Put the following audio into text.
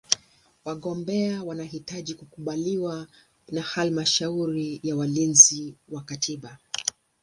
Wagombea wanahitaji kukubaliwa na Halmashauri ya Walinzi wa Katiba.